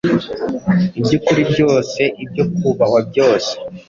iby’ukuri byose, ibyo kubahwa byose,